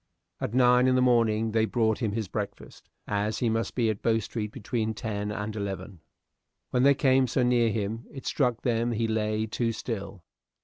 At nine in the morning they brought him his breakfast, as he must be at Bow Street between ten and eleven. When they came so near him, it struck them he lay too still.